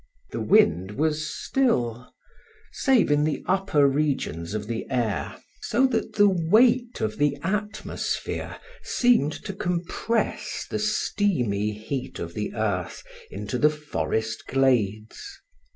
The wind was still, save in the upper regions of the air, so that the weight of the atmosphere seemed to compress the steamy heat of the earth into the forest glades.